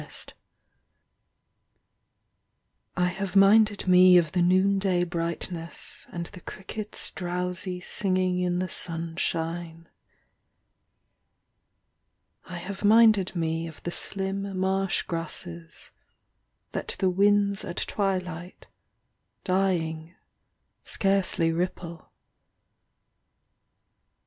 NIGHT I have minded me Of the noon day brightness, And the crickets drowsy Singing in the sunshine. ... I have minded me Of the slim marsh grasses That the winds at twilight, Dying, scarcely ripple.